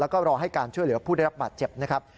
แล้วก็รอให้การช่วยเหลือผู้ได้รับบาดเจ็บนะครับ